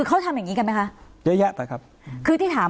รัณไตรการ